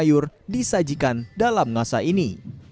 dan sayur disajikan dalam ngasa ini